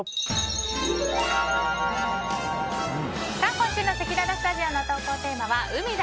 今週のせきららスタジオの投稿テーマは海だ！